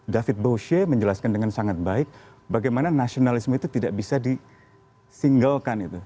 david bauche menjelaskan dengan sangat baik bagaimana nasionalisme itu tidak bisa disinglekan itu